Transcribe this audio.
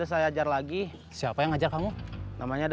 oh harinya bisa kayak hal lain